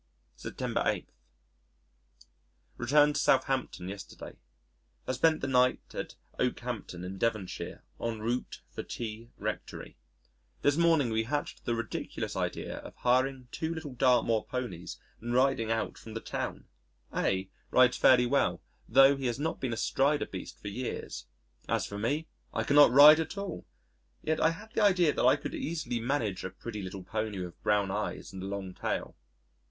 September 8. Returned to Southampton yesterday. Have spent the night at Okehampton in Devonshire en route for T Rectory. This morning we hatched the ridiculous idea of hiring two little Dartmoor ponies and riding out from the town. A rides fairly well tho' he has not been astride a beast for years. As for me, I cannot ride at all! Yet I had the idea that I could easily manage a pretty little pony with brown eyes and a long tail.